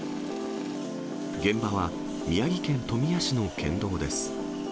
現場は宮城県富谷市の県道です。